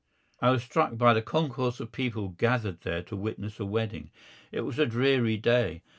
I was struck by the concourse of people gathered there to witness a wedding. It was a dreary day.